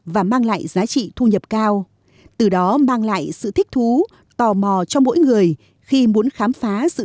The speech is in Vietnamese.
và mang lại giá trị thu nhập cao từ đó mang lại sự thích thú tò mò cho mỗi người khi muốn khám phá sự